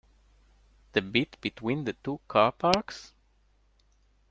The bit between the two car parks?